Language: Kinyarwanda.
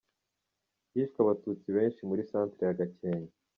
Hishwe Abatutsi benshi muri Centre ya Gakenke;.